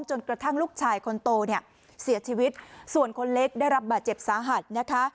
จนกระทั่งลูกชายคนโตเนี่ยเสียชีวิตส่วนคนเล็กได้รับบาดเจ็บสาหัสนะคะ